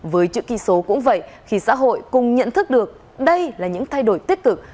với chữ ký số cũng vậy khi xã hội cùng nhận thức được đây là những thay đổi tích cực